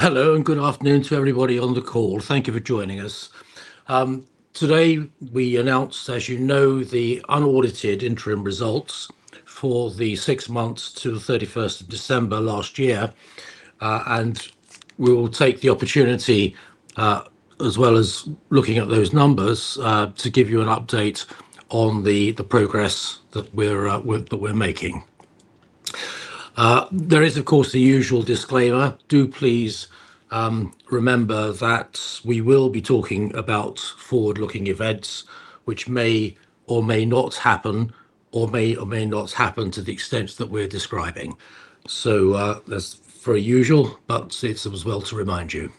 Hello and good afternoon to everybody on the call. Thank you for joining us. Today we announced, as you know, the unaudited interim results for the six months to the 31st of December last year. We will take the opportunity, as well as looking at those numbers, to give you an update on the progress that we're making. There is of course the usual disclaimer. Do please remember that we will be talking about forward-looking events which may or may not happen or may or may not happen to the extent that we're describing. As usual, but it's as well to remind you.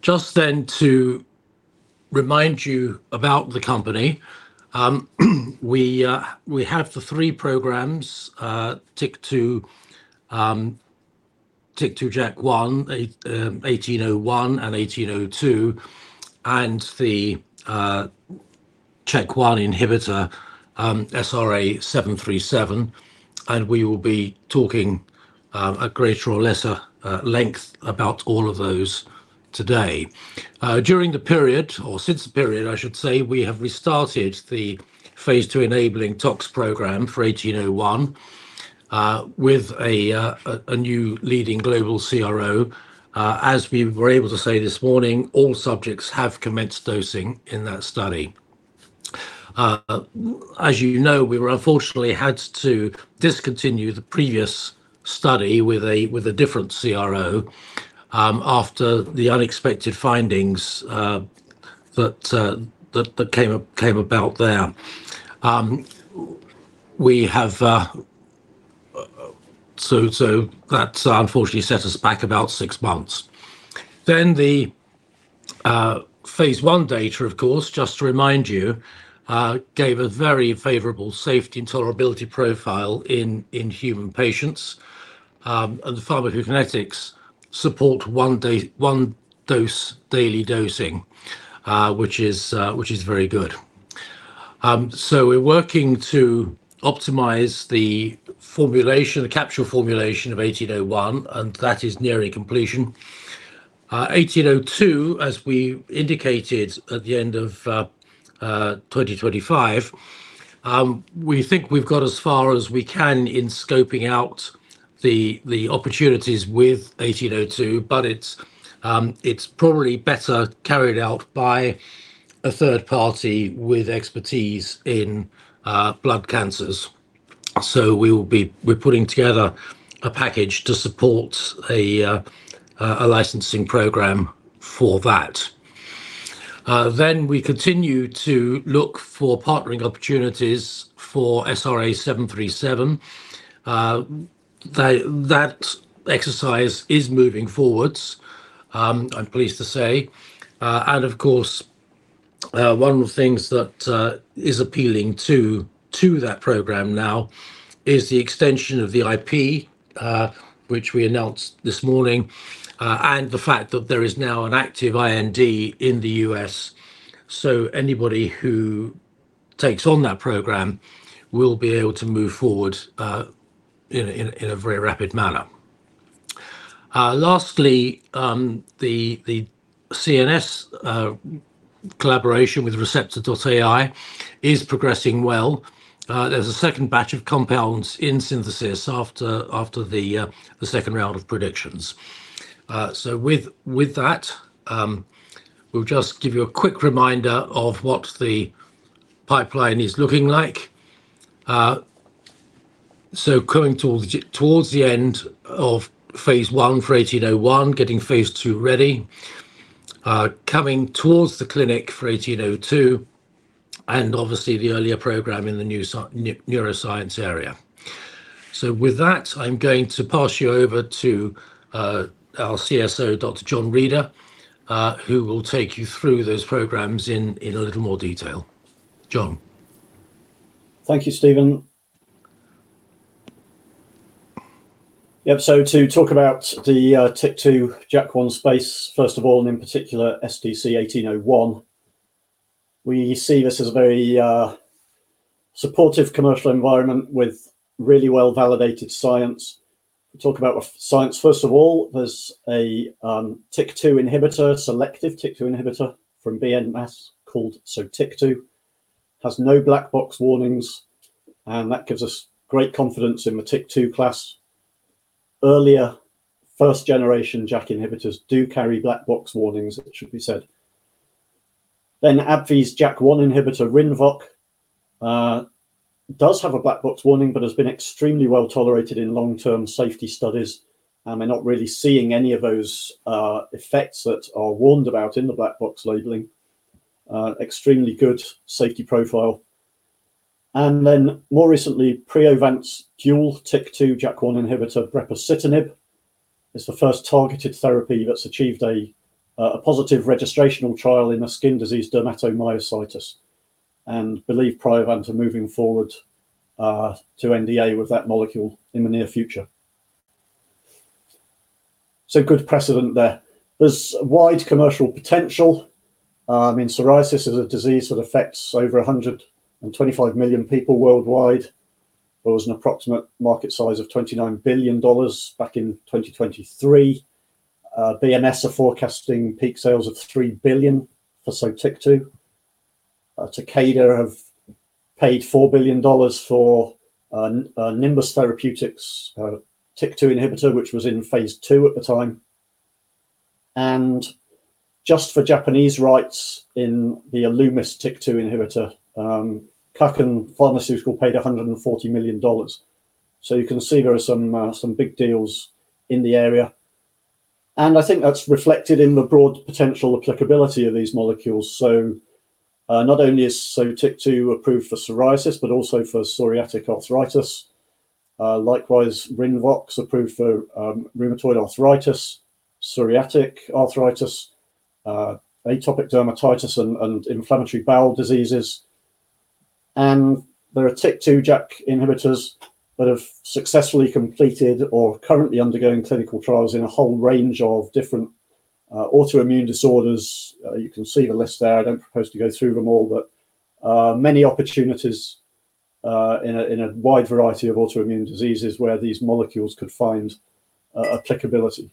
Just then to remind you about the company, we have the three programs: TYK2/JAK1, 1801 and 1802, and the ChK1 inhibitor SRA737. We will be talking at greater or lesser length about all of those today. During the period, or since the period, I should say, we have restarted the -II-enabling tox program for 1801 with a new leading global CRO. As we were able to say this morning, all subjects have commenced dosing in that study. As you know, we were unfortunately had to discontinue the previous study with a different CRO after the unexpected findings that came about there. That's unfortunately set us back about six months. The phase I data, of course, just to remind you, gave a very favorable safety and tolerability profile in human patients. The pharmacokinetics support one-dose daily dosing, which is very good. We're working to optimize the formulation, the capsule formulation of 1801, and that is nearing completion. 1802, as we indicated at the end of 2025, we think we've got as far as we can in scoping out the opportunities with 1802, but it's probably better carried out by a third party with expertise in blood cancers. We're putting together a package to support a licensing program for that. We continue to look for partnering opportunities for SRA737. That exercise is moving forward, I'm pleased to say. Of course, one of the things that is appealing to that program now is the extension of the IP, which we announced this morning. The fact that there is now an active IND in the U.S. Anybody who takes on that program will be able to move forward in a very rapid manner. Lastly, the CNS collaboration with Receptor.AI is progressing well. There's a second batch of compounds in synthesis after the second round of predictions. With that, we'll just give you a quick reminder of what the pipeline is looking like. Coming towards the end of phase I for 1801, getting phase II ready, coming towards the clinic for 1802, and obviously the earlier program in the new neuroscience area. With that, I'm going to pass you over to our CSO, Dr. John Reader, who will take you through those programs in a little more detail. John. Thank you, Stephen. Yep. To talk about the TYK2/JAK1 space, first of all, and in particular SDC-1801. We see this as a very supportive commercial environment with really well-validated science. Talk about the science. First of all, there's a TYK2 inhibitor, selective TYK2 inhibitor from BMS called SOTYKTU. Has no black box warnings, and that gives us great confidence in the TYK2 class. Earlier first-generation JAK inhibitors do carry black box warnings, it should be said. Then, AbbVie's JAK1 inhibitor, RINVOQ, does have a black box warning but has been extremely well-tolerated in long-term safety studies. We're not really seeing any of those effects that are warned about in the black box labeling. Extremely good safety profile. More recently, Priovant's dual TYK2/JAK1 inhibitor brepocitinib is the first targeted therapy that's achieved a positive registrational trial in the skin disease dermatomyositis. I believe Priovant are moving forward to NDA with that molecule in the near future. Good precedent there. There's wide commercial potential. I mean, psoriasis is a disease that affects over 125 million people worldwide. There was an approximate market size of $29 billion back in 2023. BMS are forecasting peak sales of $3 billion for SOTYKTU. Takeda have paid $4 billion for Nimbus Therapeutics TYK2 inhibitor, which was in phase II at the time. Just for Japanese rights in the Alumis TYK2 inhibitor, Kaken Pharmaceutical paid $140 million. You can see there are some big deals in the area. I think that's reflected in the broad potential applicability of these molecules. Not only is SOTYKTU approved for psoriasis, but also for psoriatic arthritis. Likewise, RINVOQ's approved for rheumatoid arthritis, psoriatic arthritis, atopic dermatitis, and inflammatory bowel diseases. There are TYK2/JAK inhibitors that have successfully completed or are currently undergoing clinical trials in a whole range of different autoimmune disorders. You can see the list there. I don't propose to go through them all, but many opportunities in a wide variety of autoimmune diseases where these molecules could find applicability.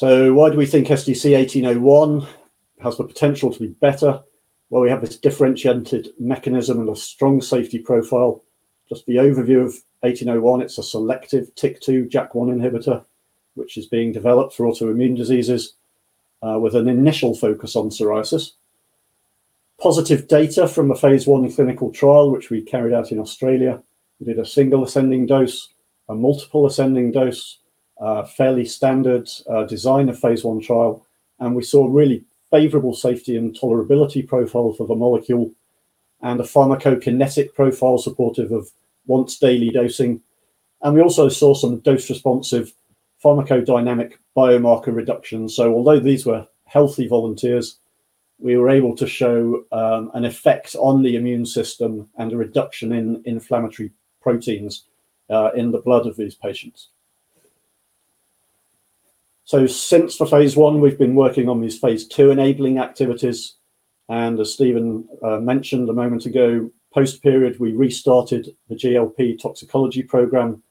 Why do we think SDC-1801 has the potential to be better? Well, we have this differentiated mechanism and a strong safety profile. Just the overview of 1801, it's a selective TYK2/JAK1 inhibitor, which is being developed for autoimmune diseases with an initial focus on psoriasis. Positive data from a phase I clinical trial, which we carried out in Australia. We did a single ascending dose, a multiple ascending dose, a fairly standard design of phase I trial, and we saw a really favorable safety and tolerability profile for the molecule and a pharmacokinetic profile supportive of once-daily dosing. We also saw some dose-responsive pharmacodynamic biomarker reduction. Although these were healthy volunteers, we were able to show an effect on the immune system and a reduction in inflammatory proteins in the blood of these patients. Since the phase I, we've been working on these phase-II-enabling activities, and as Stephen mentioned a moment ago, post-period, we restarted the GLP toxicology program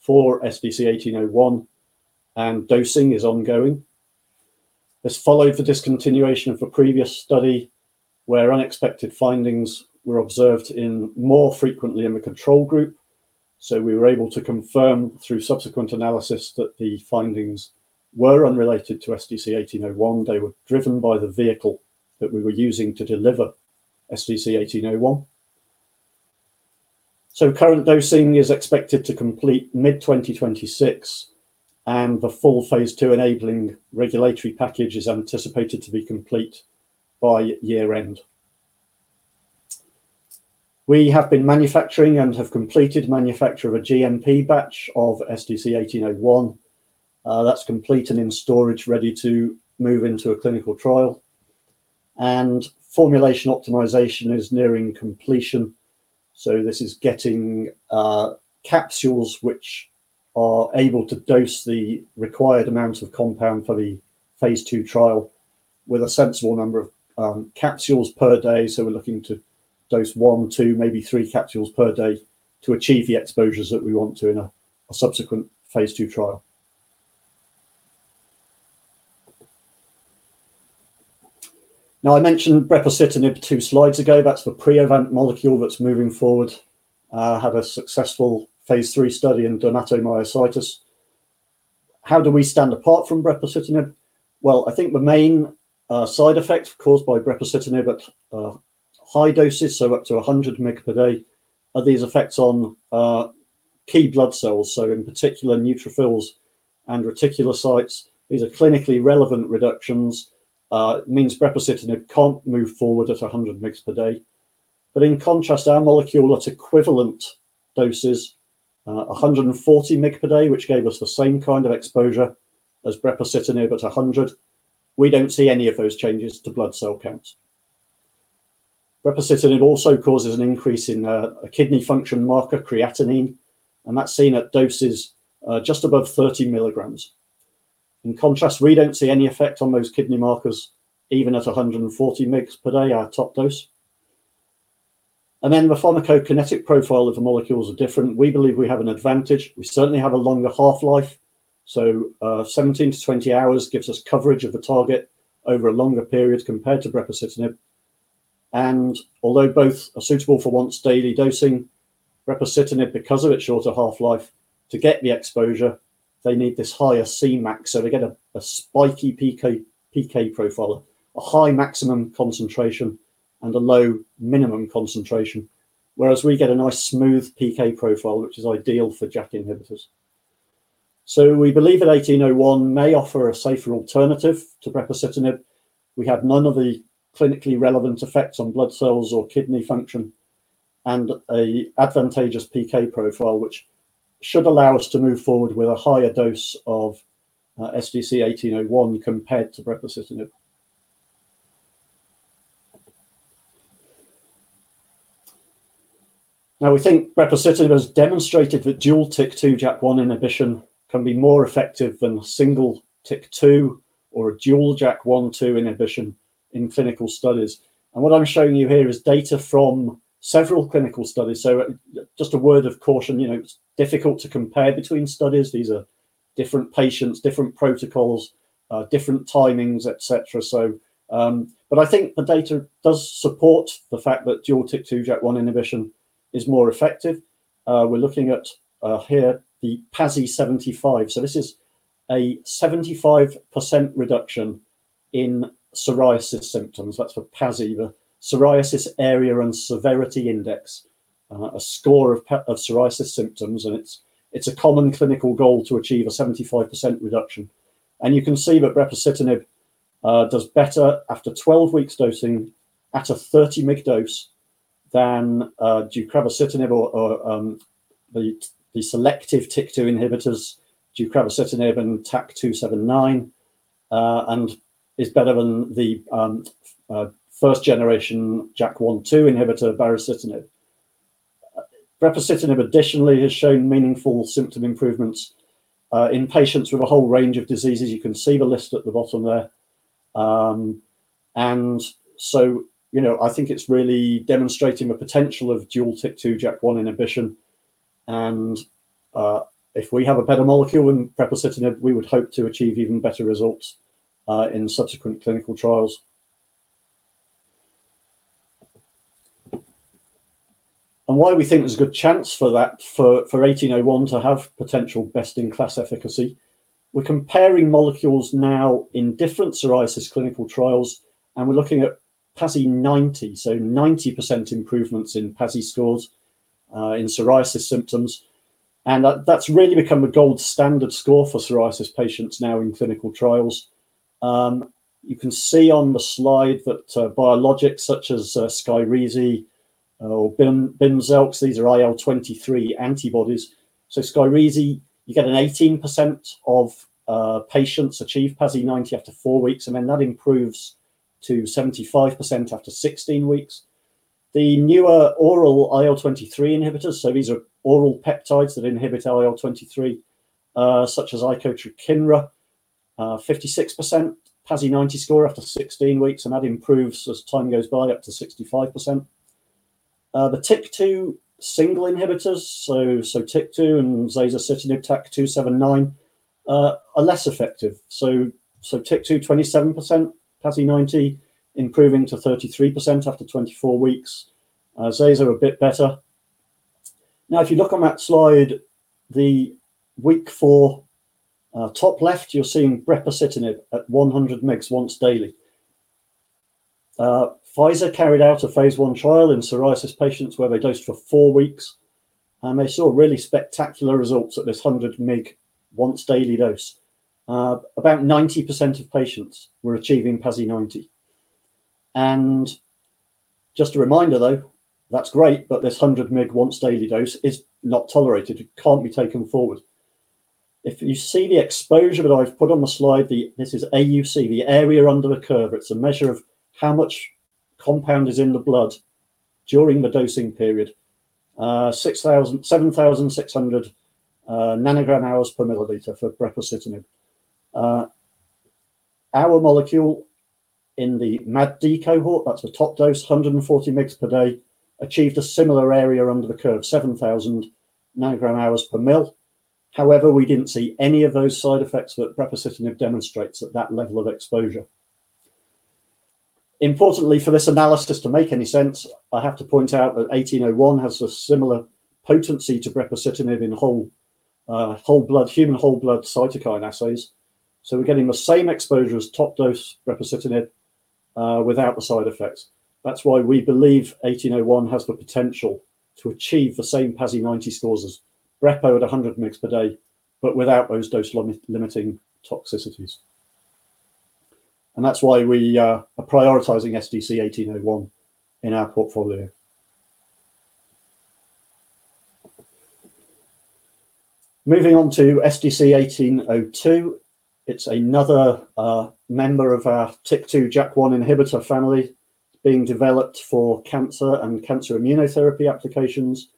for SDC-1801, and dosing is ongoing. This followed the discontinuation of a previous study where unexpected findings were observed more frequently in the control group, so we were able to confirm through subsequent analysis that the findings were unrelated to SDC-1801. They were driven by the vehicle that we were using to deliver SDC-1801. Current dosing is expected to complete mid-2026, and the full phase-II-enabling regulatory package is anticipated to be complete by year-end. We have been manufacturing and have completed manufacture of a GMP batch of SDC-1801. That's complete and in storage, ready to move into a clinical trial. Formulation optimization is nearing completion, so this is getting capsules which are able to dose the required amount of compound for the phase II trial with a sensible number of capsules per day. We're looking to dose one, two, maybe three capsules per day to achieve the exposures that we want to in a subsequent phase II trial. Now, I mentioned brepocitinib two slides ago. That's the Priovant molecule that's moving forward, had a successful phase III study in dermatomyositis. How do we stand apart from brepocitinib? I think the main side effect caused by brepocitinib at high doses, so up to 100 mg per day, are these effects on key blood cells, so in particular, neutrophils and reticulocytes. These are clinically relevant reductions. It means brepocitinib can't move forward at 100 mg per day. In contrast, our molecule at equivalent doses 140 mg per day, which gave us the same kind of exposure as brepocitinib at 100 mg, we don't see any of those changes to blood cell counts. Brepocitinib also causes an increase in a kidney function marker, creatinine, and that's seen at doses, just above 30 mg. In contrast, we don't see any effect on those kidney markers, even at 140 mg per day, our top dose. The pharmacokinetic profile of the molecules are different. We believe we have an advantage. We certainly have a longer half-life, so, 17 hours-20 hours gives us coverage of the target over a longer period compared to brepocitinib. Although both are suitable for once-daily dosing, brepocitinib, because of its shorter half-life, to get the exposure, they need this higher Cmax, so we get a spiky PK profile, a high maximum concentration and a low minimum concentration. Whereas we get a nice smooth PK profile, which is ideal for JAK inhibitors. We believe that 1801 may offer a safer alternative to brepocitinib. We have none of the clinically relevant effects on blood cells or kidney function and an advantageous PK profile, which should allow us to move forward with a higher dose of SDC-1801 compared to brepocitinib. Now, we think brepocitinib has demonstrated that dual TYK2/JAK1 inhibition can be more effective than single TYK2 or a dual JAK1/2 inhibition in clinical studies. What I'm showing you here is data from several clinical studies. Just a word of caution, you know, it's difficult to compare between studies. These are different patients, different protocols, different timings, et cetera. I think the data does support the fact that dual TYK2/JAK1 inhibition is more effective. We're looking at here the PASI 75. This is a 75% reduction in psoriasis symptoms. That's for PASI, the Psoriasis Area and Severity Index, a score of psoriasis symptoms, and it's a common clinical goal to achieve a 75% reduction. You can see that brepocitinib does better after 12 weeks dosing at a 30-mg dose than deucravacitinib or the selective TYK2 inhibitors, deucravacitinib and TAK-279, and is better than the first generation JAK1/2 inhibitor baricitinib. Brepocitinib additionally has shown meaningful symptom improvements in patients with a whole range of diseases. You can see the list at the bottom there. I think it's really demonstrating a potential of dual TYK2/JAK1 inhibition, and if we have a better molecule than brepocitinib, we would hope to achieve even better results in subsequent clinical trials. Why we think there's a good chance for that, for 1801 to have potential best-in-class efficacy, we're comparing molecules now in different psoriasis clinical trials, and we're looking at PASI 90, so 90% improvements in PASI scores in psoriasis symptoms, and that's really become a gold standard score for psoriasis patients now in clinical trials. You can see on the slide that biologics such as SKYRIZI or BIMZELX, these are IL-23 antibodies. SKYRIZI, you get 18% of patients achieve PASI 90 after four weeks, and then that improves to 75% after 16 weeks. The newer oral IL-23 inhibitors, these are oral peptides that inhibit IL-23, such as icotrokinra, 56% PASI 90 score after 16 weeks, and that improves as time goes by up to 65%. The TYK2 single inhibitors, TYK2 and zasocitinib TAK-279, are less effective. TYK2 27% PASI 90, improving to 33% after 24 weeks. Zaso are a bit better. Now, if you look on that slide, the week four, top left, you're seeing brepocitinib at 100 mg once daily. Pfizer carried out a phase I trial in psoriasis patients where they dosed for four weeks, and they saw really spectacular results at this 100-mg once-daily dose. About 90% of patients were achieving PASI 90. Just a reminder though, that's great, but this 100-mg once-daily dose is not tolerated. It can't be taken forward. If you see the exposure that I've put on the slide, this is AUC, the area under the curve. It's a measure of how much compound is in the blood during the dosing period. 7,600 ng.h/ml for brepocitinib. Our molecule in the MAD D-cohort, that's the top dose, 140 mg per day, achieved a similar area under the curve, 7,000 ng/hr/ml. However, we didn't see any of those side effects that brepocitinib demonstrates at that level of exposure. Importantly, for this analysis to make any sense, I have to point out that 1801 has a similar potency to brepocitinib in human whole-blood cytokine assays. We're getting the same exposure as top dose brepocitinib without the side effects. That's why we believe 1801 has the potential to achieve the same PASI 90 scores as brepo at 100 mg per day, but without those dose-limiting toxicities. That's why we are prioritizing SDC-1801 in our portfolio. Moving on to SDC-1802. It's another member of our TYK2/JAK1 inhibitor family being developed for cancer and cancer immunotherapy applications.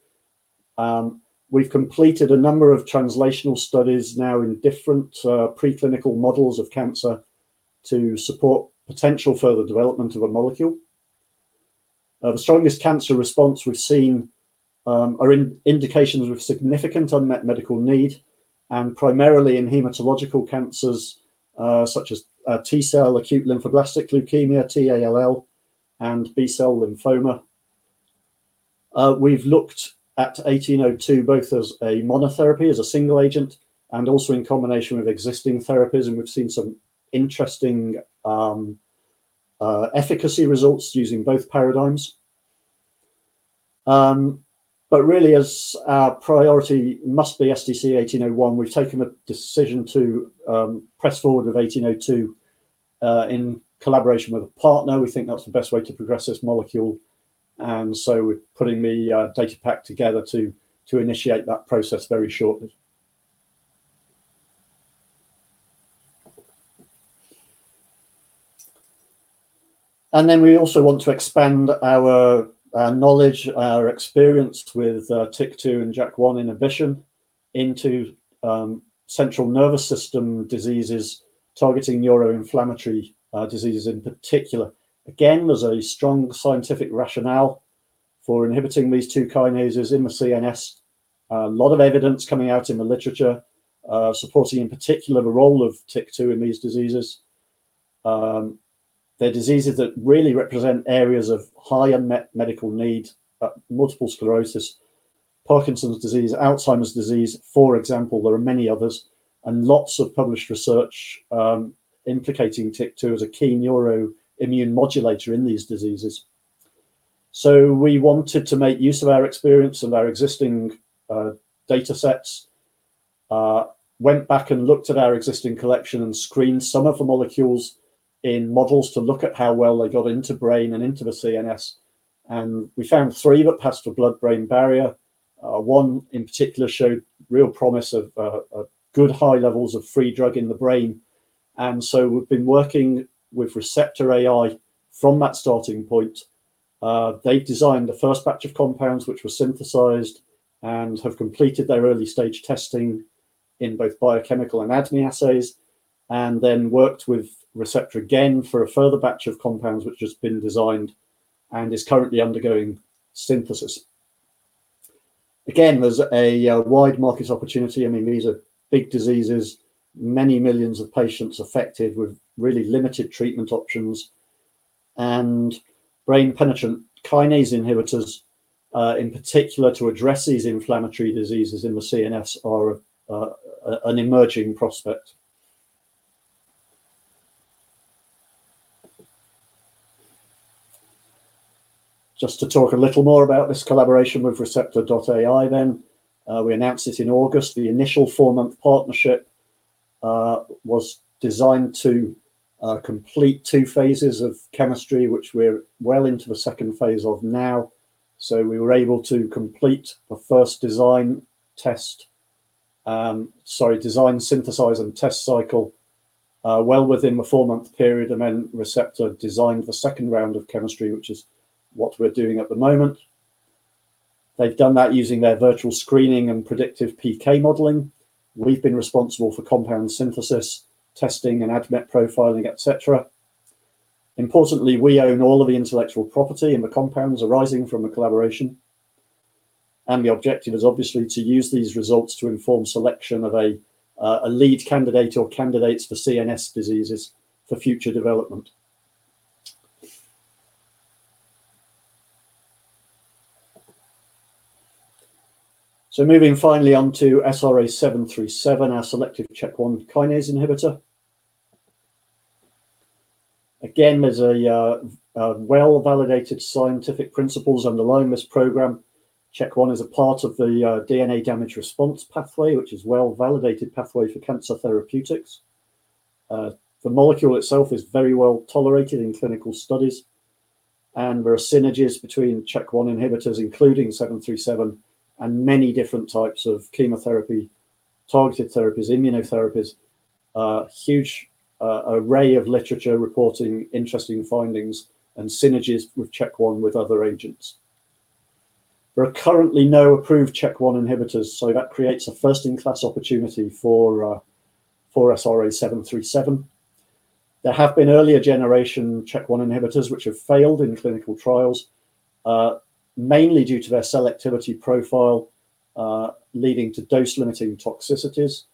We've completed a number of translational studies now in different preclinical models of cancer to support potential further development of a molecule. The strongest cancer response we've seen are in indications with significant unmet medical need and primarily in hematological cancers, such as T-cell acute lymphoblastic leukemia, T-ALL, and B-cell lymphoma. We've looked at 1802 both as a monotherapy, as a single agent, and also in combination with existing therapies, and we've seen some interesting efficacy results using both paradigms. But really as our priority must be SDC-1801, we've taken a decision to press forward with 1802 in collaboration with a partner. We think that's the best way to progress this molecule, and so we're putting the data pack together to initiate that process very shortly. We also want to expand our knowledge, our experience with TYK2 and JAK1 inhibition into central nervous system diseases targeting neuroinflammatory diseases in particular. Again, there's a strong scientific rationale for inhibiting these two kinases in the CNS. A lot of evidence coming out in the literature, supporting in particular the role of TYK2 in these diseases. They're diseases that really represent areas of high unmet medical need, multiple sclerosis, Parkinson's disease, Alzheimer's disease, for example. There are many others and lots of published research implicating TYK2 as a key neuroimmune modulator in these diseases. We wanted to make use of our experience and our existing data sets, went back and looked at our existing collection and screened some of the molecules in models to look at how well they got into brain and into the CNS, and we found three that passed the blood-brain barrier. One in particular showed real promise of good high levels of free drug in the brain. We've been working with Receptor.AI from that starting point. They designed the first batch of compounds which were synthesized and have completed their early-stage testing in both biochemical and ADME assays, and then worked with Receptor again for a further batch of compounds which has been designed and is currently undergoing synthesis. Again, there's a wide market opportunity. I mean, these are big diseases, many millions of patients affected with really limited treatment options, and brain-penetrant kinase inhibitors in particular to address these inflammatory diseases in the CNS are an emerging prospect. Just to talk a little more about this collaboration with Receptor.AI then, we announced it in August. The initial four-month partnership was designed to complete two phases of chemistry, which we're well into the second phase of now. We were able to complete the first design, synthesize, and test cycle well within the four-month period, and then Receptor designed the second round of chemistry, which is what we're doing at the moment. They've done that using their virtual screening and predictive PK modeling. We've been responsible for compound synthesis, testing, and ADMET profiling, et cetera. Importantly, we own all of the intellectual property and the compounds arising from the collaboration, and the objective is obviously to use these results to inform selection of a lead candidate or candidates for CNS diseases for future development. Moving finally on to SRA737, our selective ChK1 kinase inhibitor. Again, there's well-validated scientific principles underlying this program. ChK1 is a part of the DNA damage response pathway, which is well-validated pathway for cancer therapeutics. The molecule itself is very well-tolerated in clinical studies, and there are synergies between ChK1 inhibitors, including 737, and many different types of chemotherapy, targeted therapies, immunotherapies. A huge array of literature reporting interesting findings and synergies with ChK1 with other agents. There are currently no approved ChK1 inhibitors, so that creates a first-in-class opportunity for SRA737. There have been earlier generation ChK1 inhibitors which have failed in clinical trials, mainly due to their selectivity profile, leading to dose-limiting toxicities.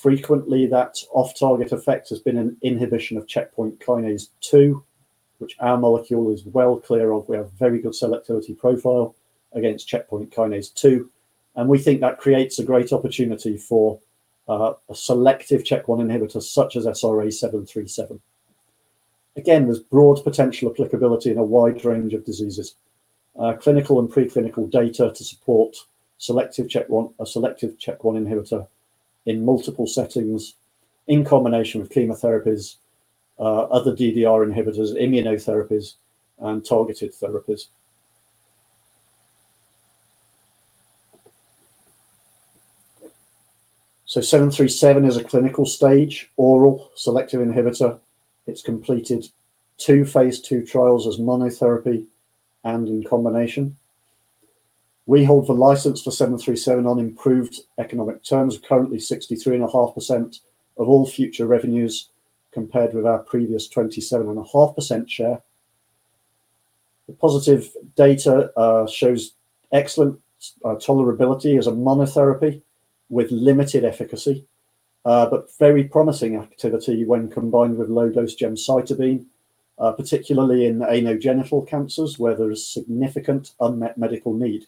Frequently, that off-target effect has been an inhibition of checkpoint kinase 2, which our molecule is well clear of. We have a very good selectivity profile against checkpoint kinase 2, and we think that creates a great opportunity for a selective ChK1 inhibitor such as SRA737. Again, there's broad potential applicability in a wide range of diseases. Clinical and preclinical data to support selective ChK1 inhibitor in multiple settings in combination with chemotherapies, other DDR inhibitors, immunotherapies, and targeted therapies. 737 is a clinical-stage oral selective inhibitor. It's completed two phase II trials as monotherapy and in combination. We hold the license for 737 on improved economic terms, currently 63.5% of all future revenues, compared with our previous 27.5% share. The positive data shows excellent tolerability as a monotherapy with limited efficacy, but very promising activity when combined with low-dose gemcitabine, particularly in anogenital cancers where there is significant unmet medical need.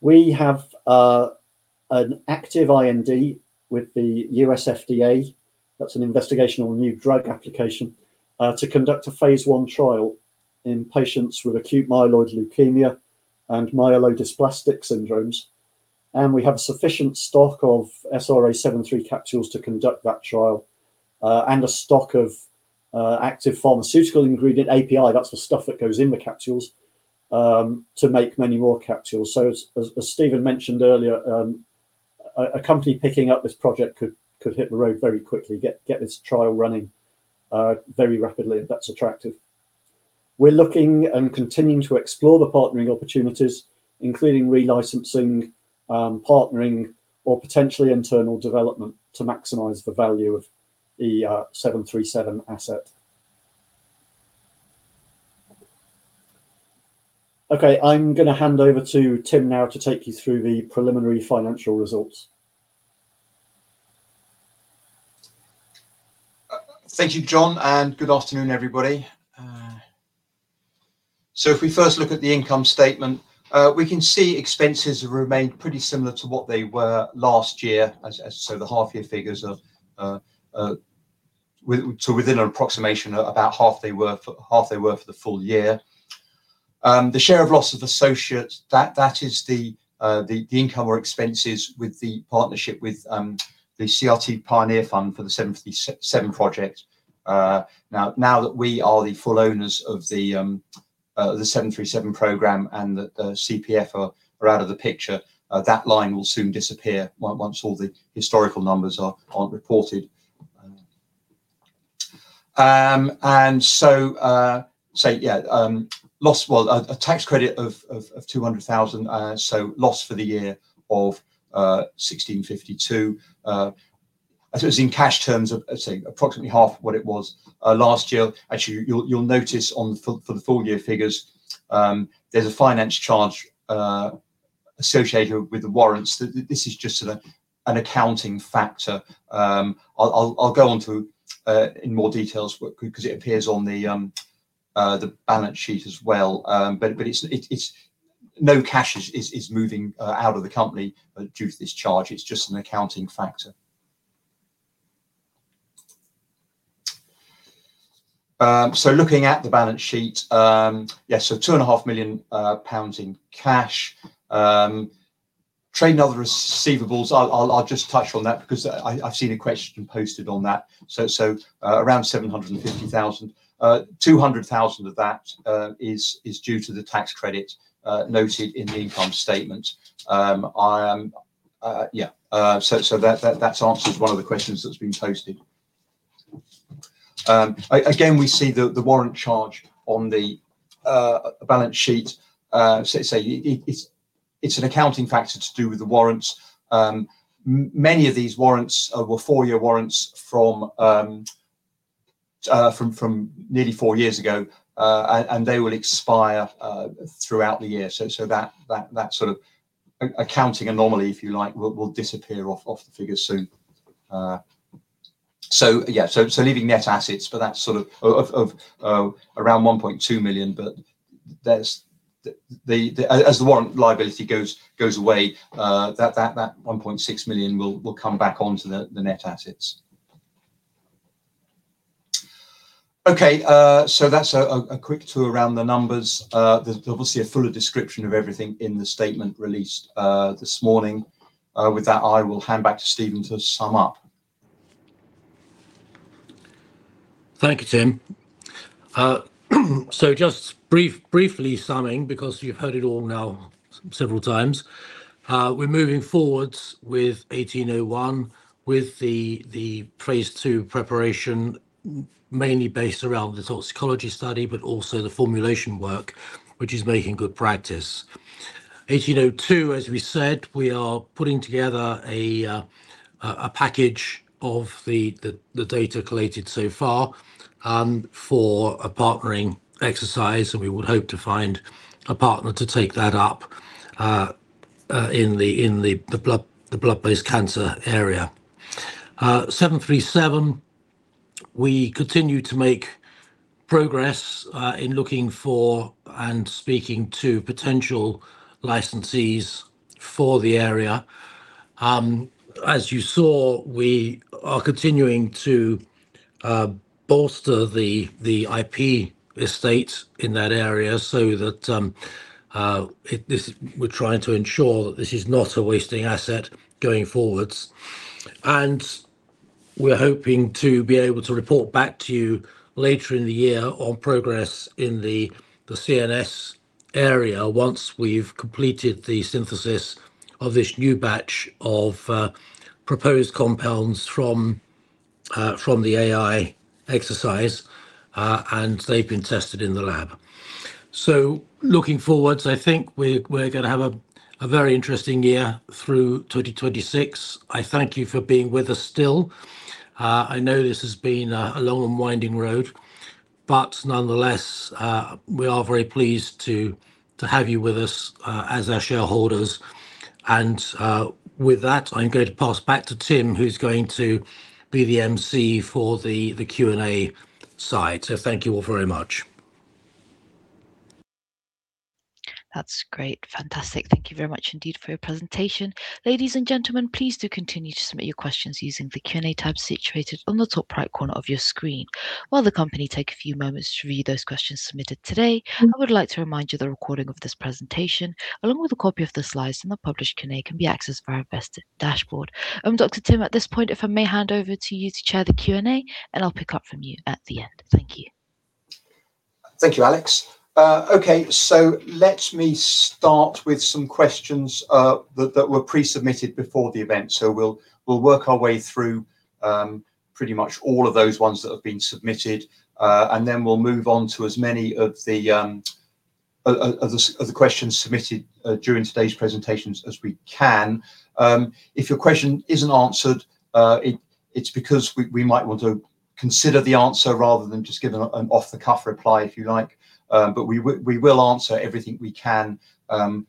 We have an active IND with the U.S. FDA, that's an investigational new drug application, to conduct a phase I trial in patients with acute myeloid leukemia and myelodysplastic syndromes, and we have sufficient stock of SRA737 capsules to conduct that trial, and a stock of active pharmaceutical ingredient, API, that's the stuff that goes in the capsules, to make many more capsules. As Stephen mentioned earlier, A company picking up this project could hit the road very quickly, get this trial running very rapidly. That's attractive. We're looking and continuing to explore the partnering opportunities, including re-licensing, partnering or potentially internal development to maximize the value of the 737 asset. Okay. I'm gonna hand over to Tim now to take you through the preliminary financial results. Thank you, John, and good afternoon, everybody. If we first look at the income statement, we can see expenses have remained pretty similar to what they were last year, so within an approximation about half they were for the full year. The share of loss of associate, that is the income or expenses with the partnership with the CRT Pioneer Fund for the SRA737 project. Now that we are the full owners of the 737 program and the CPF are out of the picture, that line will soon disappear once all the historical numbers are reported. Yeah, well, a tax credit of 200,000, so loss for the year of 1,652. I suppose in cash terms, say approximately half what it was last year. Actually, you'll notice for the full year figures, there's a finance charge associated with the warrants. This is just sort of an accounting factor. I'll go on to in more details 'cause it appears on the balance sheet as well. But no cash is moving out of the company due to this charge. It's just an accounting factor. Looking at the balance sheet, yeah, 2.5 million pounds in cash. Trade and other receivables, I'll just touch on that because I've seen a question posted on that. Around 750,000. 200,000 of that is due to the tax credit noted in the income statement. That answers one of the questions that's been posted. Again, we see the warrant charge on the balance sheet. It's an accounting factor to do with the warrants. Many of these warrants were four-year warrants from nearly four years ago. And they will expire throughout the year. That sort of accounting anomaly, if you like, will disappear off the figures soon. Leaving net assets for that sort of around 1.2 million, but there's. As the warrant liability goes away, that 1.6 million will come back onto the net assets. Okay, that's a quick tour around the numbers. There will be a fuller description of everything in the statement released this morning. With that, I will hand back to Stephen to sum up. Thank you, Tim. Just briefly summing because you've heard it all now several times. We're moving forward with 1801 with the phase II preparation, mainly based around the toxicology study, but also the formulation work, which is making good progress. 1802, as we said, we are putting together a package of the data collated so far, for a partnering exercise, and we would hope to find a partner to take that up in the blood-based cancer area. 737, we continue to make progress in looking for and speaking to potential licensees for the area. As you saw, we are continuing to bolster the IP estate in that area. We're trying to ensure that this is not a wasting asset going forward. We're hoping to be able to report back to you later in the year on progress in the CNS area once we've completed the synthesis of this new batch of proposed compounds from the AI exercise and they've been tested in the lab. Looking forward, I think we're gonna have a very interesting year through 2026. I thank you for being with us still. I know this has been a long and winding road, but nonetheless, we are very pleased to have you with us as our shareholders. With that, I'm going to pass back to Tim, who's going to be the MC for the Q&A side. Thank you all very much. That's great. Fantastic. Thank you very much indeed for your presentation. Ladies and gentlemen, please do continue to submit your questions using the Q&A tab situated on the top right corner of your screen. While the company take a few moments to read those questions submitted today, I would like to remind you the recording of this presentation, along with a copy of the slides and the published Q&A, can be accessed via our investor dashboard. Dr. Tim, at this point, if I may hand over to you to chair the Q&A, and I'll pick up from you at the end. Thank you. Thank you, Alex. Okay. Let me start with some questions that were pre-submitted before the event. We'll work our way through pretty much all of those ones that have been submitted and then we'll move on to as many of the questions submitted during today's presentations as we can. If your question isn't answered, it's because we might want to consider the answer rather than just give an off-the-cuff reply, if you like. We will answer everything we can in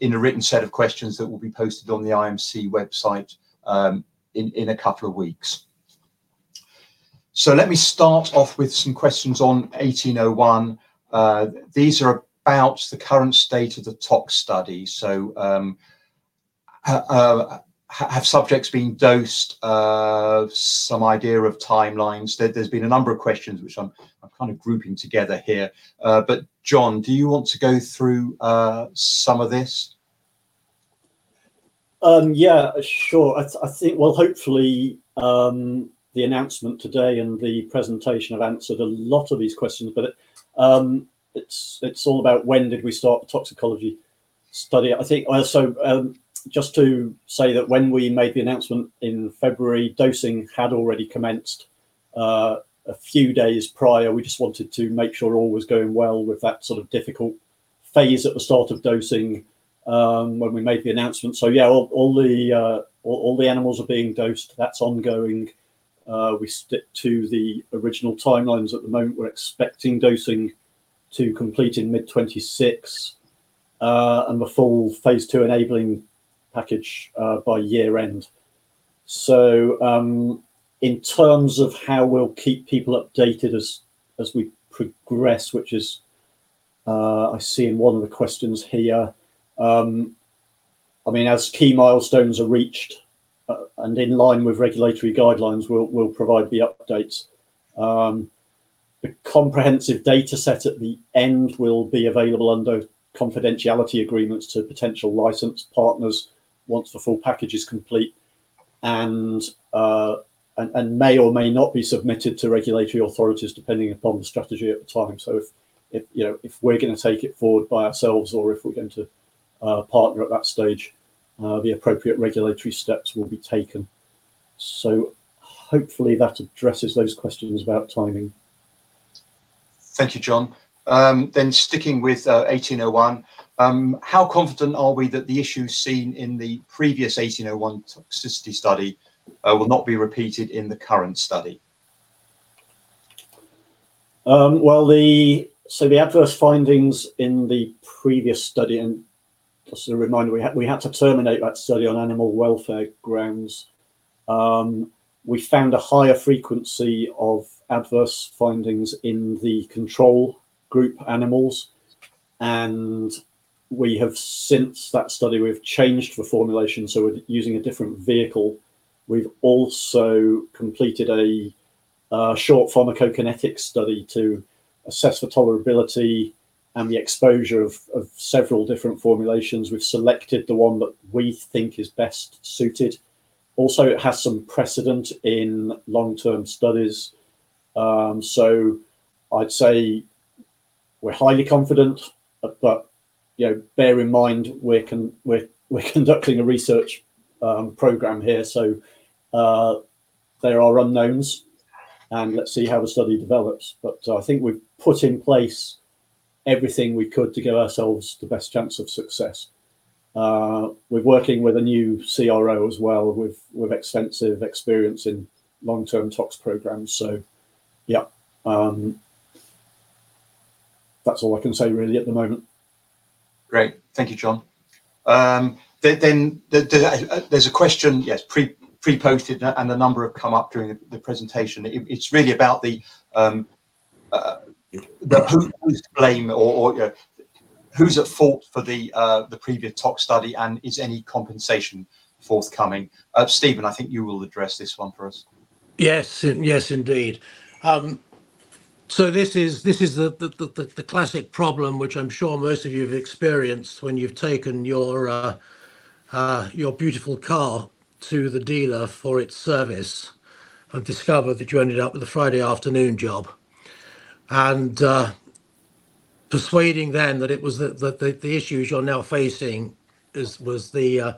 a written set of questions that will be posted on the IMC website in a couple of weeks. Let me start off with some questions on 1801. These are about the current state of the tox study. Have subjects been dosed? Some idea of timelines. There's been a number of questions which I'm kind of grouping together here. John, do you want to go through some of this? Yeah, sure. I think well, hopefully, the announcement today and the presentation have answered a lot of these questions, but it's all about when did we start the toxicology study. I think also, just to say that when we made the announcement in February, dosing had already commenced a few days prior. We just wanted to make sure all was going well with that sort of difficult phase at the start of dosing when we made the announcement. Yeah, all the animals are being dosed. That's ongoing. We stick to the original timelines at the moment. We're expecting dosing to complete in mid-2026, and the full phase-II-enabling package by year-end. In terms of how we'll keep people updated as we progress, which I see in one of the questions here, I mean, as key milestones are reached and in line with regulatory guidelines, we'll provide the updates. The comprehensive data set at the end will be available under confidentiality agreements to potential license partners once the full package is complete and may or may not be submitted to regulatory authorities depending upon the strategy at the time. If, you know, if we're gonna take it forward by ourselves or if we're going to partner at that stage, the appropriate regulatory steps will be taken. Hopefully that addresses those questions about timing. Thank you, John. Sticking with 1801, how confident are we that the issues seen in the previous 1801 toxicity study will not be repeated in the current study? The adverse findings in the previous study, and just a reminder, we had to terminate that study on animal welfare grounds. We found a higher frequency of adverse findings in the control group animals, and since that study, we've changed the formulation, so we're using a different vehicle. We've also completed a short pharmacokinetic study to assess the tolerability and the exposure of several different formulations. We've selected the one that we think is best suited. Also, it has some precedent in long-term studies. I'd say we're highly confident, but, you know, bear in mind, we're conducting a research program here, there are unknowns, and let's see how the study develops. I think we've put in place everything we could to give ourselves the best chance of success. We're working with a new CRO as well with extensive experience in long-term tox programs. Yeah, that's all I can say really at the moment. Great. Thank you, John. Then, there's a question, yes, pre-posted and a number have come up during the presentation. It's really about the who is to blame or, you know, who's at fault for the previous tox study and is any compensation forthcoming? Stephen, I think you will address this one for us. Yes. Yes, indeed. This is the classic problem which I'm sure most of you have experienced when you've taken your beautiful car to the dealer for its service and discovered that you ended up with a Friday afternoon job and persuading them that it was the issues you're now facing was the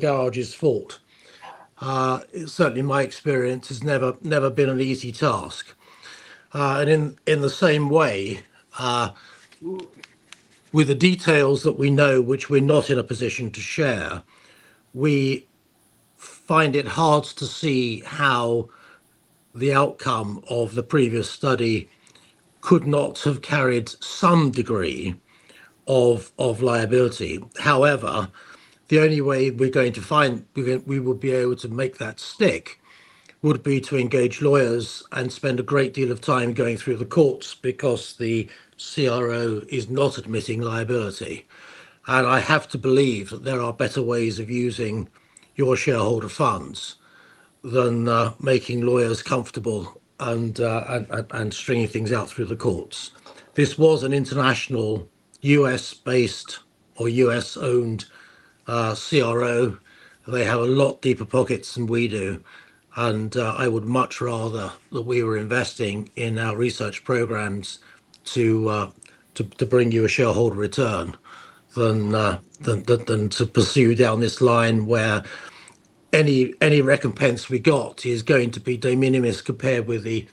garage's fault. Certainly my experience, it's never been an easy task. In the same way, with the details that we know which we're not in a position to share, we find it hard to see how the outcome of the previous study could not have carried some degree of liability. However, the only way we would be able to make that stick would be to engage lawyers and spend a great deal of time going through the courts because the CRO is not admitting liability. I have to believe that there are better ways of using your shareholder funds than making lawyers comfortable and stringing things out through the courts. This was an international US-based or US-owned CRO. They have a lot deeper pockets than we do. I would much rather that we were investing in our research programs to bring you a shareholder return than to pursue down this line where any recompense we got is going to be de minimis compared with the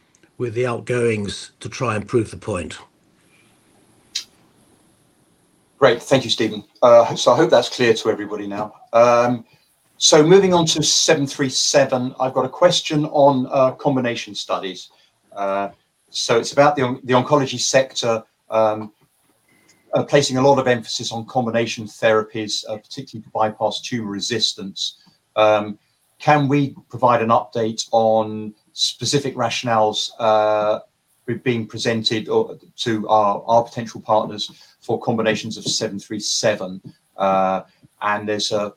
outgoings to try and prove the point. Great. Thank you, Stephen. I hope that's clear to everybody now. Moving on to 737. I've got a question on combination studies. It's about the oncology sector placing a lot of emphasis on combination therapies, particularly to bypass tumor resistance. Can we provide an update on specific rationales we've been presented or to our potential partners for combinations of 737? There's a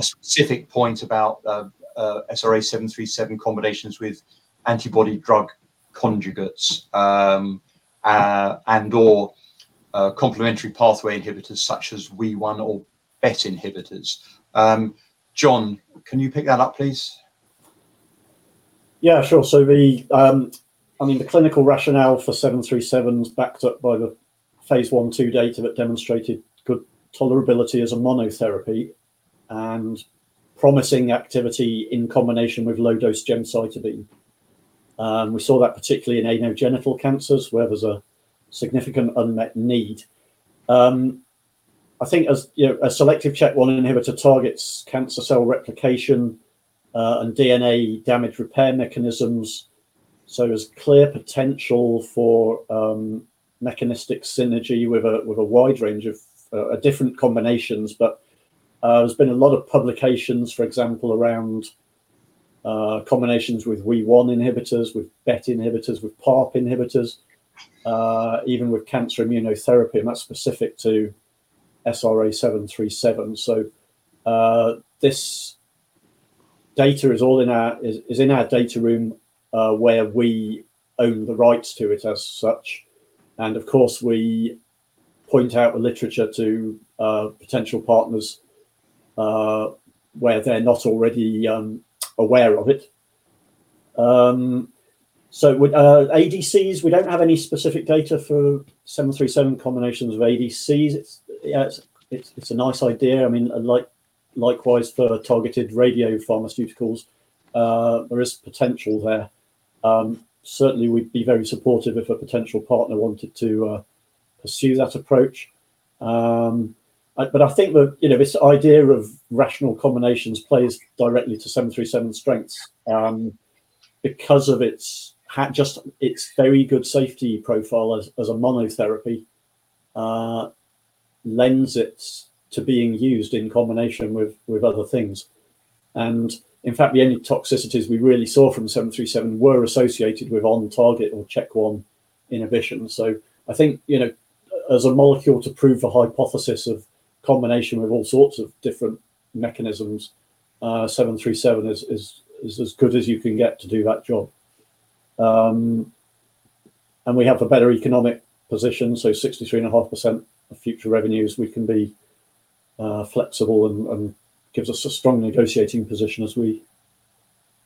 specific point about SRA737 combinations with antibody drug conjugates and/or complementary pathway inhibitors such as WEE1 or BET inhibitors. John, can you pick that up, please? Yeah, sure. I mean, the clinical rationale for 737's backed up by the phase I/II data that demonstrated good tolerability as a monotherapy and promising activity in combination with low-dose gemcitabine. We saw that particularly in anogenital cancers where there's a significant unmet need. I think as, you know, a selective ChK1 inhibitor targets cancer cell replication and DNA damage repair mechanisms. There's clear potential for mechanistic synergy with a wide range of different combinations. There's been a lot of publications, for example, around combinations with WEE1 inhibitors, with BET inhibitors, with PARP inhibitors, even with cancer immunotherapy, and that's specific to SRA737. This data is all in our data room where we own the rights to it as such. Of course, we point out the literature to potential partners where they're not already aware of it. With ADCs, we don't have any specific data for 737 combinations of ADCs yet. It's a nice idea. I mean, likewise for targeted radiopharmaceuticals, there is potential there. Certainly we'd be very supportive if a potential partner wanted to pursue that approach. I think the, you know, this idea of rational combinations plays directly to 737's strengths because of its just its very good safety profile as a monotherapy lends it to being used in combination with other things. In fact, the only toxicities we really saw from 737 were associated with on-target ChK1 inhibition. I think, you know, as a molecule to prove the hypothesis of combination with all sorts of different mechanisms, 737 is as good as you can get to do that job. We have the better economic position, 63.5% of future revenues, we can be flexible and gives us a strong negotiating position as we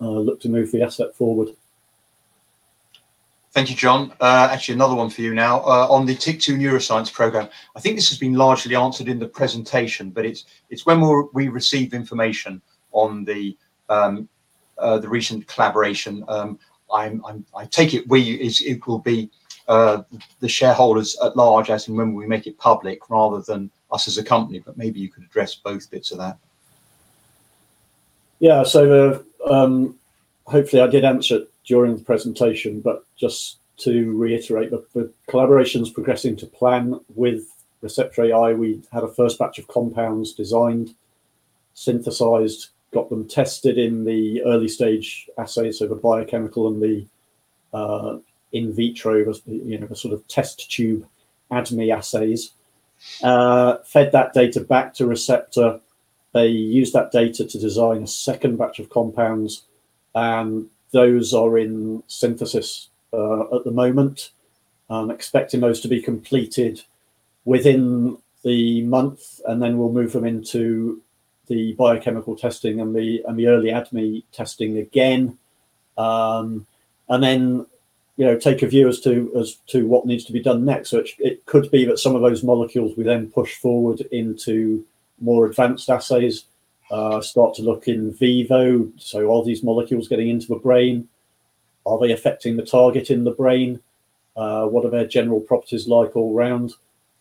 look to move the asset forward. Thank you, John. Actually another one for you now, on the TYK2 neuroscience program. I think this has been largely answered in the presentation, but it's when we receive information on the recent collaboration. I take it it will be the shareholders at large as in when we make it public rather than us as a company, but maybe you could address both bits of that. Yeah. Hopefully I did answer during the presentation, but just to reiterate, the collaboration's progressing to plan with Receptor.AI. We had a first batch of compounds designed, synthesized, got them tested in the early stage assays, so the biochemical and the in vitro, you know, the sort of test tube ADME assays, fed that data back to Receptor. They used that data to design a second batch of compounds, and those are in synthesis at the moment. I'm expecting those to be completed within the month, and then we'll move them into the biochemical testing and the early ADME testing again. You know, take a view as to what needs to be done next. It could be that some of those molecules we then push forward into more advanced assays, start to look in vivo. Are these molecules getting into the brain? Are they affecting the target in the brain? What are their general properties like all round?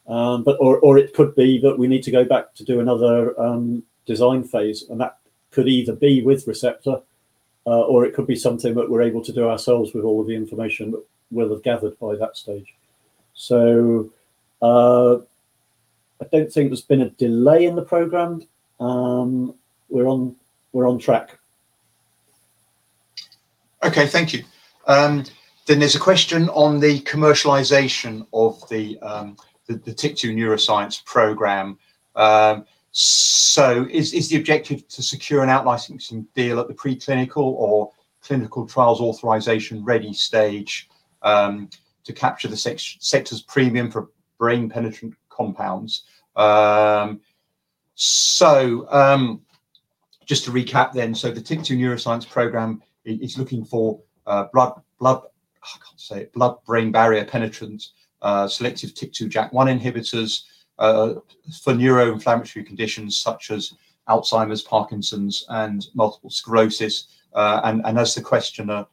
Or it could be that we need to go back to do another design phase, and that could either be with Receptor or it could be something that we're able to do ourselves with all of the information that we'll have gathered by that stage. I don't think there's been a delay in the program. We're on track. Okay. Thank you. Then there's a question on the commercialization of the TYK2 neuroscience program. Is the objective to secure an out-licensing deal at the preclinical or clinical trials authorization-ready stage? To capture the sector's premium for brain-penetrant compounds. Just to recap then, the TYK2 neuroscience program is looking for blood-brain barrier penetrants, selective TYK2/JAK1 inhibitors, for neuroinflammatory conditions such as Alzheimer's, Parkinson's, and multiple sclerosis. And as the questioner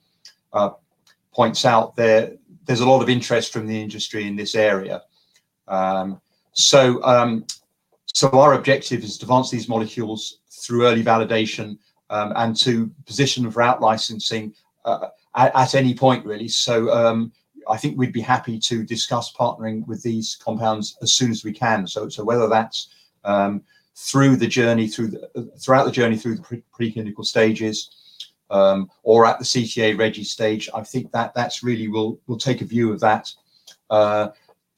points out there's a lot of interest from the industry in this area. Our objective is to advance these molecules through early validation, and to position for out-licensing at any point, really. I think we'd be happy to discuss partnering with these compounds as soon as we can. Whether that's throughout the journey through the preclinical stages, or at the CTA-ready stage, I think we'll take a view of that,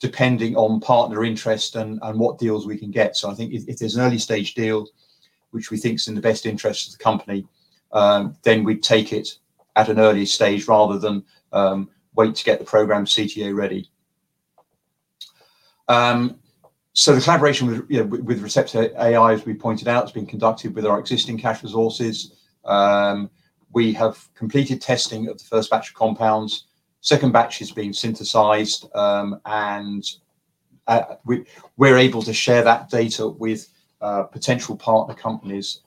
depending on partner interest and what deals we can get. I think if there's an early-stage deal which we think is in the best interest of the company, then we'd take it at an early stage rather than wait to get the program CTA ready. The collaboration, you know, with Receptor.AI, as we pointed out, has been conducted with our existing cash resources. We have completed testing of the first batch of compounds. Second batch is being synthesized. We're able to share that data with potential partner companies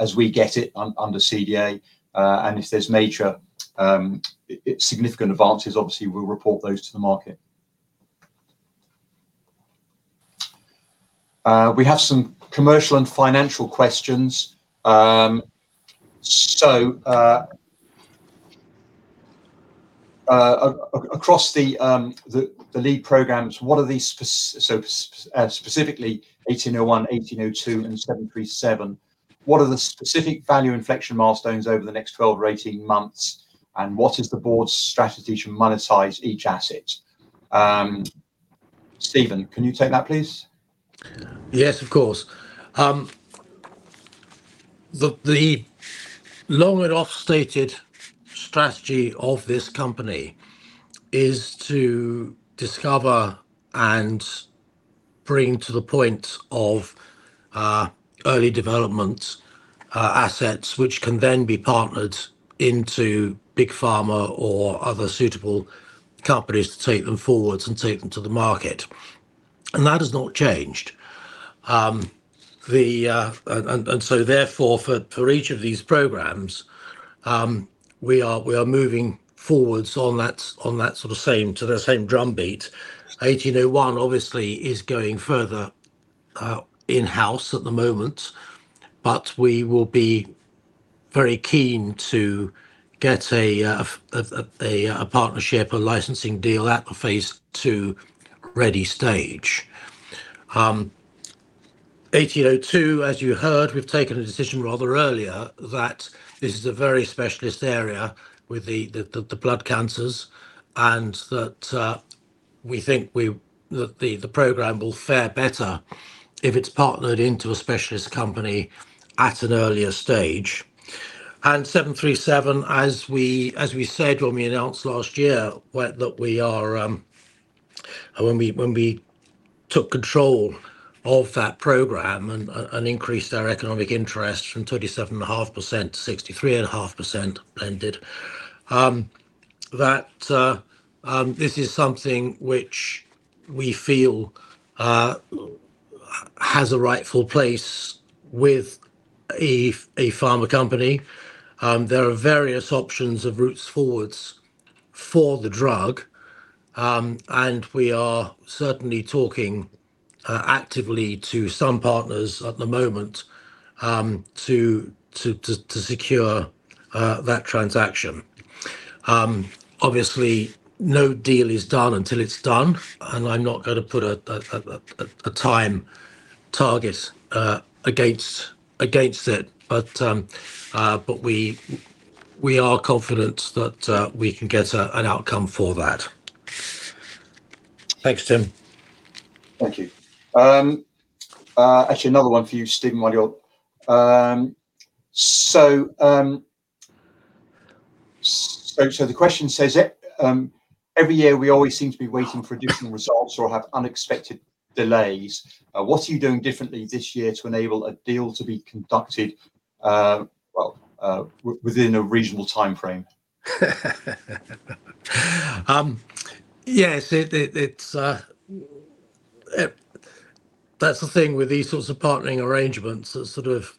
as we get it under CDA. If there's major significant advances, obviously we'll report those to the market. We have some commercial and financial questions. Across the lead programs, specifically 1801, 1802, and 737, what are the specific value inflection milestones over the next 12 or 18 months, and what is the board's strategy to monetize each asset? Stephen, can you take that please? Yes, of course. The long and oft-stated strategy of this company is to discover and bring to the point of early development assets which can then be partnered into big pharma or other suitable companies to take them forward and take them to the market, and that has not changed. Therefore, for each of these programs, we are moving forward on that to the same drumbeat. 1801 obviously is going further in-house at the moment, but we will be very keen to get a partnership or licensing deal at the phase-II-ready stage. 1802, as you heard, we've taken a decision rather earlier that this is a very specialist area with the blood cancers and that we think that the program will fare better if it's partnered into a specialist company at an earlier stage. 737, as we said when we announced last year, when we took control of that program and increased our economic interest from 37.5% to 63.5% blended, this is something which we feel has a rightful place with a pharma company. There are various options of routes forwards for the drug, and we are certainly talking actively to some partners at the moment to secure that transaction. Obviously, no deal is done until it's done, and I'm not gonna put a time target against it. We are confident that we can get an outcome for that. Thanks, Tim. Thank you. Actually another one for you, Stephen. The question says, "Every year we always seem to be waiting for additional results or have unexpected delays. What are you doing differently this year to enable a deal to be conducted within a reasonable timeframe?" Yes. That's the thing with these sorts of partnering arrangements that sort of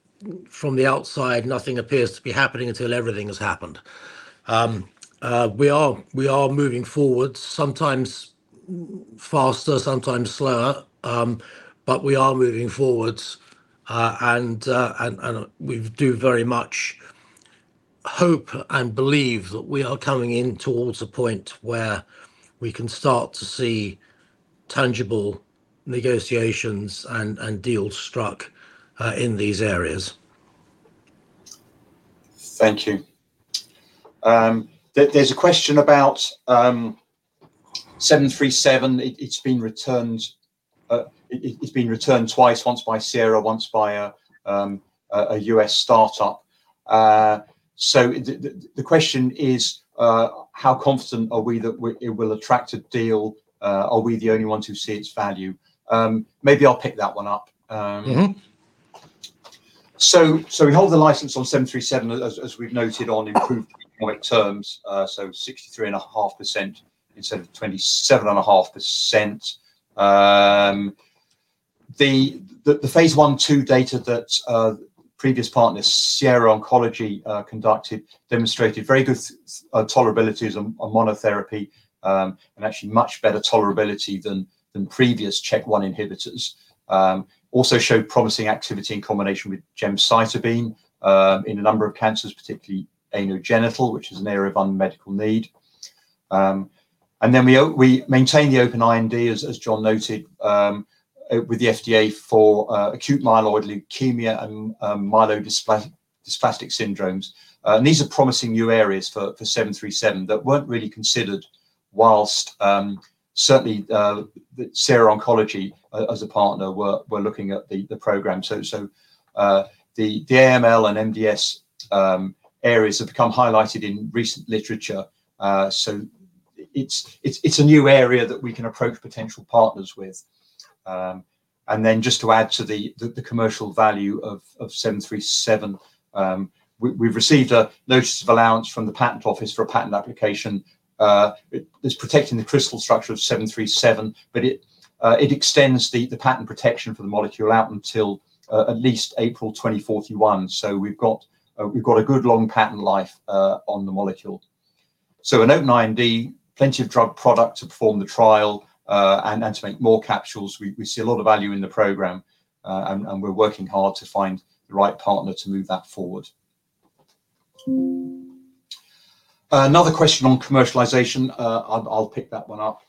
from the outside nothing appears to be happening until everything has happened. We are moving forward, sometimes faster, sometimes slower. We are moving forward. We do very much hope and believe that we are coming in toward a point where we can start to see tangible negotiations and deals struck in these areas. Thank you. There's a question about 737, it's been returned twice, once by Sierra, once by a U.S. startup. The question is, how confident are we that it will attract a deal? Are we the only ones who see its value? Maybe I'll pick that one up. Mm-hmm. We hold the license on 737 as we've noted on improved economic terms, 63.5% instead of 27.5%. The phase I/II data that previous partner Sierra Oncology conducted demonstrated very good tolerability on monotherapy, and actually much better tolerability than previous ChK1 inhibitors. Also showed promising activity in combination with gemcitabine in a number of cancers, particularly anogenital, which is an area of unmet medical need. We maintain the open IND, as John noted, with the FDA for acute myeloid leukemia and myelodysplastic syndromes. These are promising new areas for 737 that weren't really considered whilst certainly Sierra Oncology as a partner were looking at the program. The AML and MDS areas have become highlighted in recent literature. It's a new area that we can approach potential partners with. Just to add to the commercial value of 737, we've received a notice of allowance from the patent office for a patent application. It is protecting the crystal structure of 737, but it extends the patent protection for the molecule out until at least April 2041. We've got a good long patent life on the molecule. An open IND, plenty of drug product to perform the trial, and to make more capsules. We see a lot of value in the program, and we're working hard to find the right partner to move that forward. Another question on commercialization, I'll pick that one up.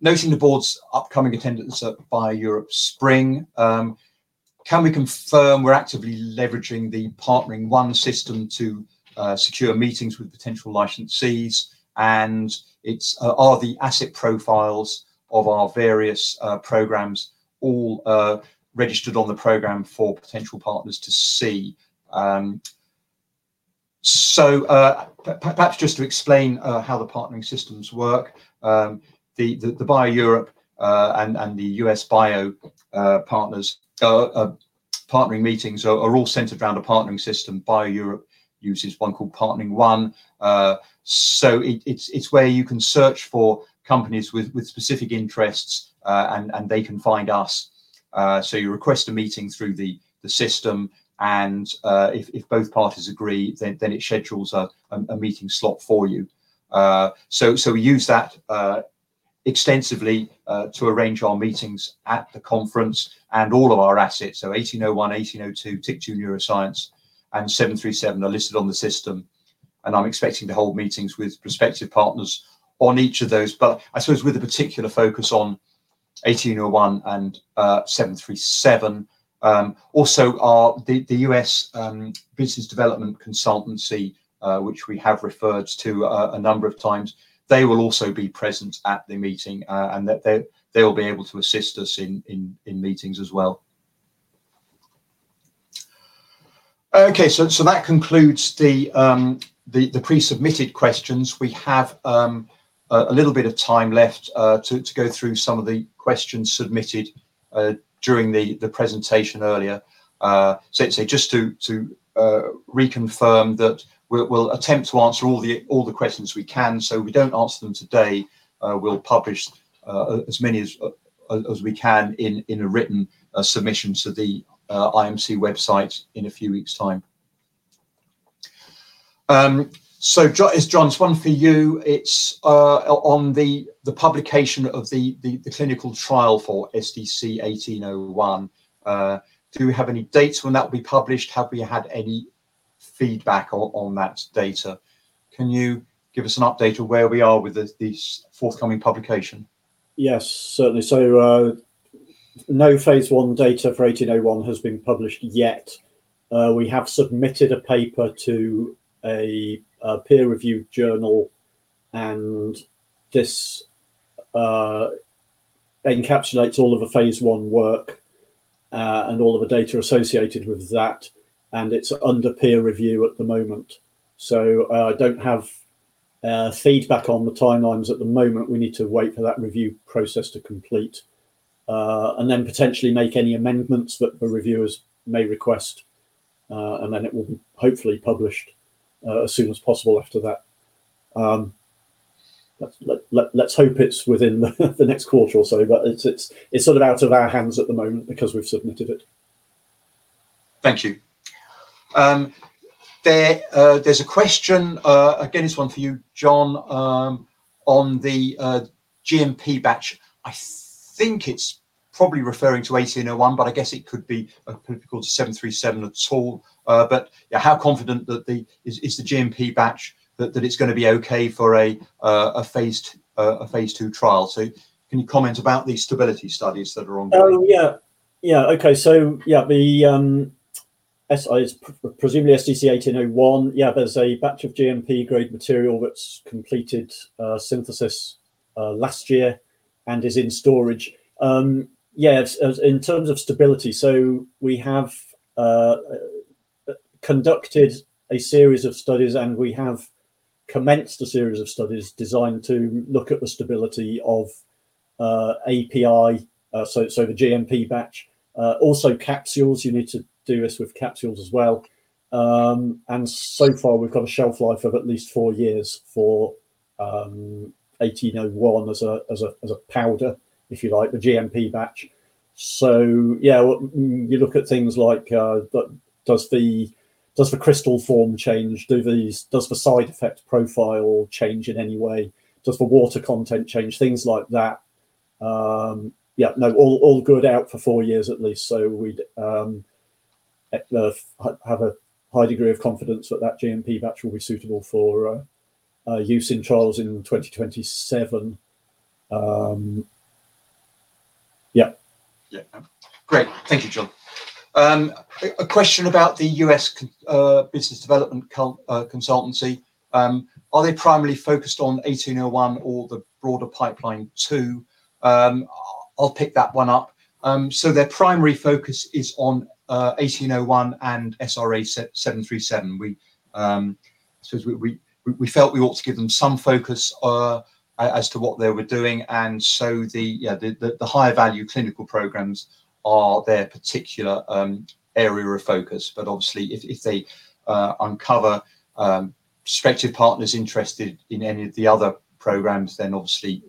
Noting the board's upcoming attendance at BIO-Europe Spring, can we confirm we're actively leveraging the partneringONE system to secure meetings with potential licensees? Are the asset profiles of our various programs all registered on the platform for potential partners to see? perhaps just to explain how the partnering systems work. The BIO-Europe and the U.S. bio partnering meetings are all centered around a partnering system. BIO-Europe uses one called partneringONE. It's where you can search for companies with specific interests, and they can find us. You request a meeting through the system, and if both parties agree, then it schedules a meeting slot for you. We use that extensively to arrange our meetings at the conference and all of our assets: 1801, 1802, TYK2 neuroscience, and 737 are listed on the system, and I'm expecting to hold meetings with prospective partners on each of those. I suppose with a particular focus on 1801 and 737. Also, our U.S. business development consultancy, which we have referred to a number of times, they will also be present at the meeting, and they'll be able to assist us in meetings as well. Okay. That concludes the pre-submitted questions. We have a little bit of time left to go through some of the questions submitted during the presentation earlier. Just to reconfirm that we'll attempt to answer all the questions we can. If we don't answer them today, we'll publish as many as we can in a written submission to the IMC website in a few weeks' time. John, one's for you. It's on the publication of the clinical trial for SDC-1801. Do we have any dates when that will be published? Have we had any feedback on that data? Can you give us an update of where we are with this forthcoming publication? Yes, certainly. No phase I data for 1801 has been published yet. We have submitted a paper to a peer review journal, and this encapsulates all of the phase I work, and all of the data associated with that, and it's under peer review at the moment. I don't have feedback on the timelines at the moment. We need to wait for that review process to complete, and then potentially make any amendments that the reviewers may request, and then it will be hopefully published as soon as possible after that. Let's hope it's within the next quarter or so, but it's sort of out of our hands at the moment because we've submitted it. Thank you. There's a question, again, it's one for you, John, on the GMP batch. I think it's probably referring to 1801, but I guess it could be applicable to 737 at all. But yeah, how confident is the GMP batch that it's gonna be okay for a phase II trial? Can you comment about the stability studies that are ongoing? Oh, yeah. Yeah. Okay. Yeah, it's presumably SDC-1801. Yeah, there's a batch of GMP-grade material that's completed synthesis last year and is in storage. Yeah, in terms of stability, we have conducted a series of studies, and we have commenced a series of studies designed to look at the stability of API, so the GMP batch. Also capsules, you need to do this with capsules as well. And so far, we've got a shelf life of at least four years for 1801 as a powder, if you like, the GMP batch. Yeah, you look at things like, does the crystal form change? Does the side effect profile change in any way? Does the water content change? Things like that. Yeah, no, all good out for four years at least. We'd have a high degree of confidence that that GMP batch will be suitable for use in trials in 2027. Yeah. Yeah. Great. Thank you, John. A question about the U.S. business development consultancy. Are they primarily focused on 1801 or the broader pipeline too? I'll pick that one up. So their primary focus is on 1801 and SRA737. We felt we ought to give them some focus as to what they were doing. The higher value clinical programs are their particular area of focus. But obviously if they uncover partners interested in any of the other programs, then obviously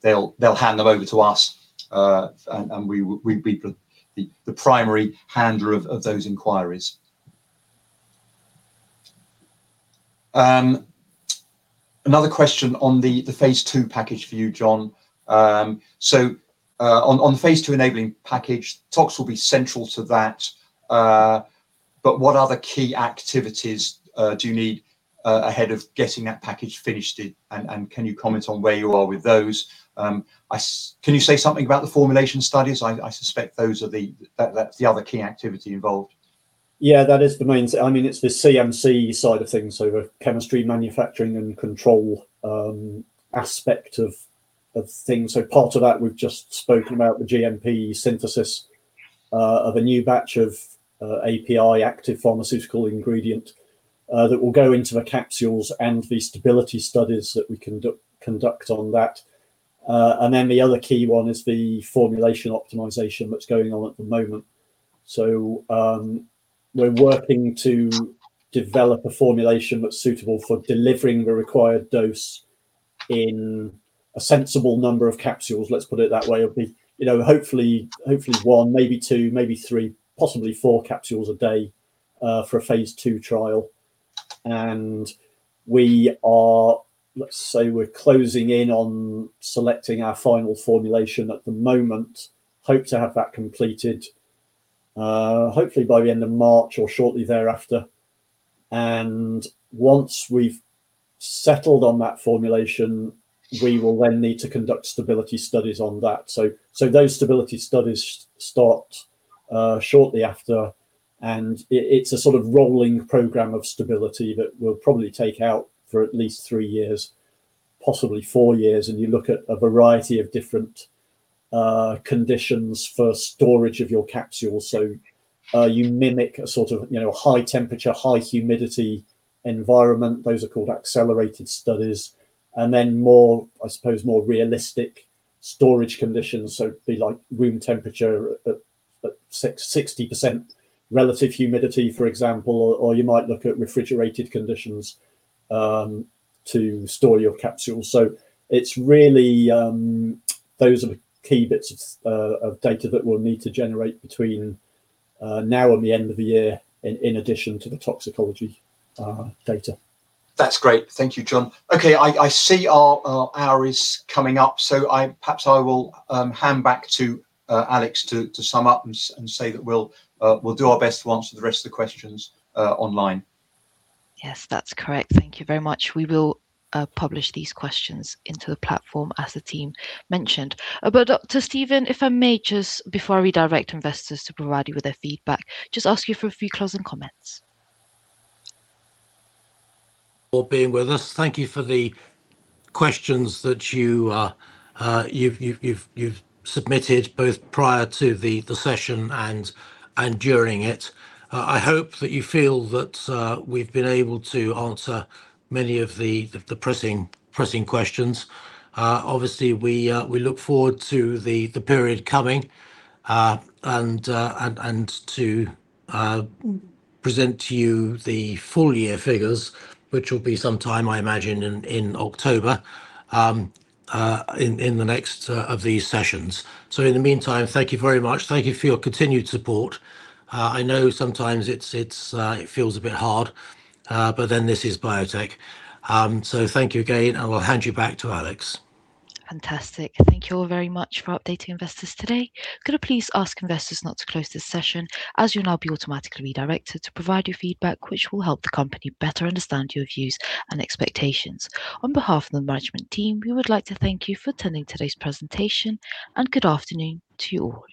they'll hand them over to us. And we'd be the primary handler of those inquiries. Another question on the phase II package for you, John. On the phase-II-enabling package, tox will be central to that. What other key activities do you need ahead of getting that package finished? Can you comment on where you are with those? Can you say something about the formulation studies? I suspect that's the other key activity involved. That is the main. I mean, it's the CMC side of things, so the chemistry, manufacturing, and control aspect of things. Part of that, we've just spoken about the GMP synthesis of a new batch of API, active pharmaceutical ingredient, that will go into the capsules and the stability studies that we conduct on that. The other key one is the formulation optimization that's going on at the moment. We're working to develop a formulation that's suitable for delivering the required dose in a sensible number of capsules, let's put it that way. It'll be, you know, hopefully one, maybe two, maybe three, possibly four capsules a day for a phase II trial. We are, let's say we're closing in on selecting our final formulation at the moment. Hope to have that completed, hopefully by the end of March or shortly thereafter. Once we've settled on that formulation, we will then need to conduct stability studies on that. Those stability studies start shortly after, and it's a sort of rolling program of stability that will probably take up for at least three years, possibly four years. You look at a variety of different conditions for storage of your capsules. You mimic a sort of, you know, high-temperature, high-humidity environment. Those are called accelerated studies. More realistic storage conditions, I suppose. It'd be like room temperature at 66% relative humidity, for example. Or you might look at refrigerated conditions to store your capsules. It's really those are the key bits of data that we'll need to generate between now and the end of the year in addition to the toxicology data. That's great. Thank you, John. Okay, I see our hour is coming up, so I perhaps will hand back to Alex to sum up and say that we'll do our best to answer the rest of the questions online. Yes, that's correct. Thank you very much. We will publish these questions into the platform as the team mentioned. Dr. Stephen, if I may just, before I redirect investors to provide you with their feedback, just ask you for a few closing comments. For being with us. Thank you for the questions that you've submitted both prior to the session and during it. I hope that you feel that we've been able to answer many of the pressing questions. Obviously we look forward to the period coming and to present to you the full year figures, which will be some time, I imagine, in October in the next of these sessions. In the meantime, thank you very much. Thank you for your continued support. I know sometimes it feels a bit hard, but then this is biotech. Thank you again, and we'll hand you back to Alex. Fantastic. Thank you all very much for updating investors today. Could I please ask investors not to close this session, as you'll now be automatically redirected to provide your feedback, which will help the company better understand your views and expectations. On behalf of the management team, we would like to thank you for attending today's presentation, and good afternoon to you all.